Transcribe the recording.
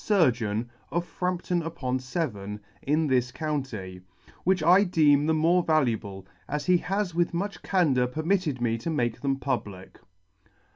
Frampton [ 8o ] Frampton upon Severn, in this county, which I deem the more valuable, as he has with much candour permitted me to make them public.